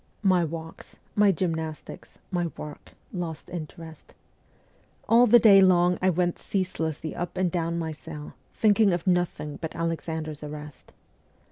My walks, my gymnastics, my work, lost interest. All THE FORTRESS 155 the day long I went ceaselessly up and down my cell, thinking of nothing but Alexander's arrest.